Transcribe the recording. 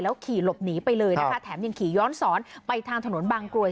ขี่หลบหนีไปเลยนะคะแถมยังขี่ย้อนสอนไปทางถนนบางกรวย